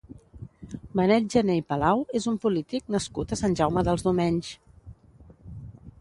Benet Jané i Palau és un polític nascut a Sant Jaume dels Domenys.